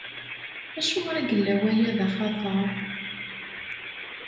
Acuɣer i yella waya d axatar?